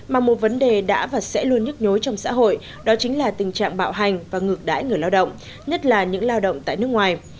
mà một vấn đề đã và sẽ luôn nhức nhối trong xã hội đó chính là tình trạng bạo hành và ngược đãi người lao động nhất là những lao động tại nước ngoài